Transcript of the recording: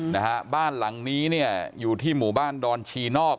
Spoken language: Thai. นะฮะบ้านหลังนี้เนี่ยอยู่ที่หมู่บ้านดอนชีนอก